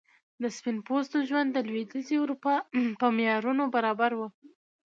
د سپین پوستو ژوند د لوېدیځي اروپا په معیارونو برابر و.